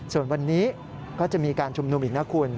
ส่วนวันนี้ก็จะมีการชุมนุมอีกนะคุณ